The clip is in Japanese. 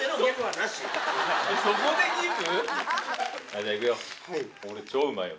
じゃあいくよ